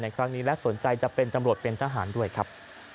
ครั้งนี้และสนใจจะเป็นตำรวจเป็นทหารด้วยครับ